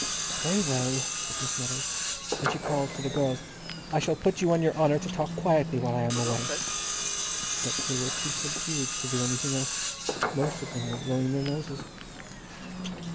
"Very well," said Miss Meadows. And she called to the girls, "I shall put you on your honour to talk quietly while I am away." But they were too subdued to do anything else. Most of them were blowing their noses.